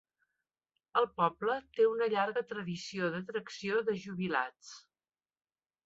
El poble té una llarga tradició d'atracció de "jubilats".